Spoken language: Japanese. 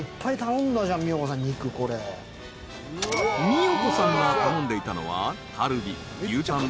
［美代子さんが頼んでいたのはカルビ。牛タン。